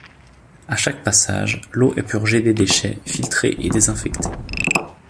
A chaque passage, l'eau est purgée des déchets, filtrée et désinfectée.